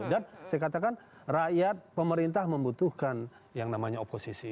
dan saya katakan rakyat pemerintah membutuhkan yang namanya oposisi